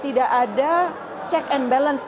tidak ada check and balance